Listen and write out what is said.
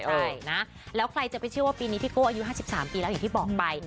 ใช่นะแล้วใครจะไปเชื่อว่าปีนี้พี่โก้อายุ๕๓ปีแล้วอย่างที่บอกไป